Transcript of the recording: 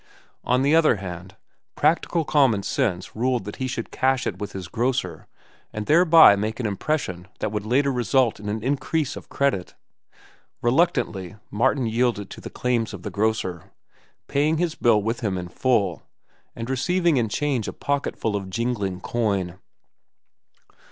On the other hand, practical common sense ruled that he should cash it with his grocer and thereby make an impression that would later result in an increase of credit. Reluctantly Martin yielded to the claims of the grocer, paying his bill with him in full, and receiving in change a pocketful of jingling coin.